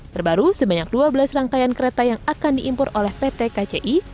terbaru sebanyak dua belas rangkaian kereta yang akan diimpor oleh pt kci